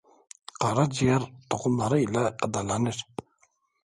Qara ciyər toxumları ilə qidalanır.